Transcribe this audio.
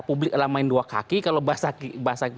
publik lamain dua kaki kalau bahasa